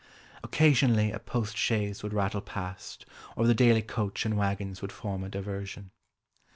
Occasionally a post chaise would rattle past, or the daily coach and waggons would form a diversion.